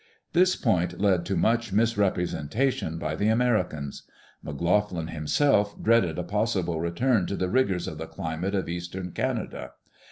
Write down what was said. This point led to much misrepresentation by the Amer icans. McLoughlin himself dreaded a possible return to the rigors of the climate of eastern Canada.